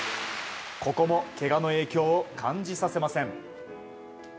ここも、けがの影響を感じさせません。